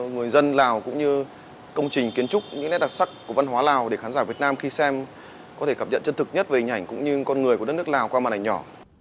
người dân lào cũng như công trình kiến trúc những nét đặc sắc của văn hóa lào để khán giả việt nam khi xem có thể cảm nhận chân thực nhất về hình ảnh cũng như con người của đất nước lào qua màn ảnh nhỏ